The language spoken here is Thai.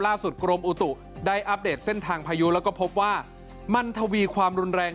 กรมอุตุได้อัปเดตเส้นทางพายุแล้วก็พบว่ามันทวีความรุนแรง